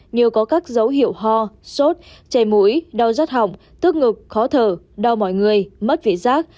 như có các dấu hiệu ho sốt chảy mũi đau rắt hỏng tức ngực khó thở đau mọi người mất vị giác